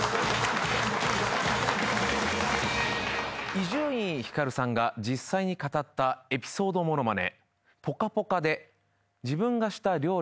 伊集院光さんが実際に語ったエピソードものまね。